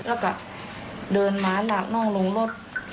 แล้วก็เดินไม้หลากนอกลงรถ